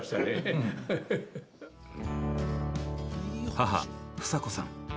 母房子さん。